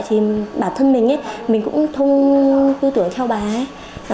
thì bà thân mình mình cũng thông tư tưởng theo bà ấy